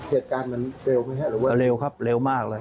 เหตุการณ์มันเร็วไหมครับหรือว่าเร็วครับเร็วมากเลย